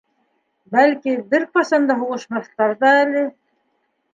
Бәлки, бер ҡасан да һуғышмаҫтарҙа әле.